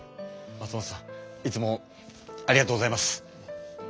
松本さんいつもありがとうございます。